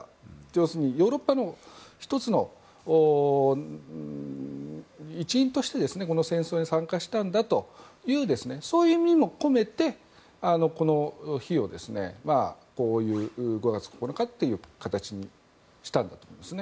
要するにヨーロッパの１つの一員としてこの戦争に参加したんだというそういう意味も込めてこの日５月９日という形にしたんだと思います。